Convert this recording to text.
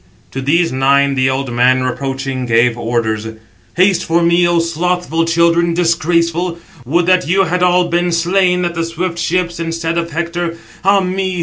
To these nine the old man, reproaching, gave orders: "Haste for me, O slothful children, disgraceful; would that you had all been slain at the swift ships, instead of Hector. Ah me!